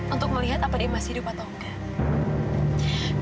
untuk melihat apa dia masih hidup atau enggak